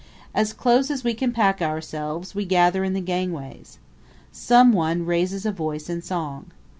As close as we can pack ourselves, we gather in the gangways. Some one raises a voice in song.